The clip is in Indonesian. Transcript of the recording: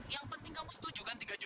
yang penting kamu setuju kan ndj